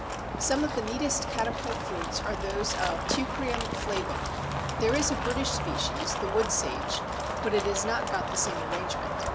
Some of the neatest catapult fruits are those of Teucrium flavum. (There is a British species, the Woodsage, but it has not got the same arrangement.)